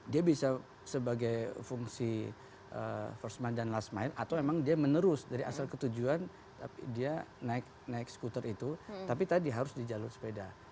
dia bisa sebagai fungsi first mind dan last mile atau memang dia menerus dari asal ketujuan tapi dia naik skuter itu tapi tadi harus di jalur sepeda